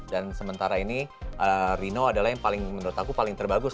dan sementara ini reno adalah yang menurut aku paling terbagus